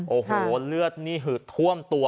โอ้โหเลือดนี่หืดท่วมตัว